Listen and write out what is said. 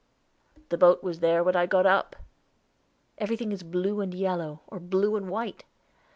"The boat was there when I got up." "Everything is blue and yellow, or blue and white."